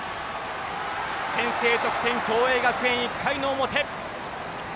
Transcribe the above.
先制得点、共栄学園１回の表。